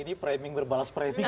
ini framing berbalas perang